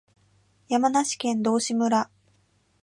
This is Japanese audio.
山梨県道志村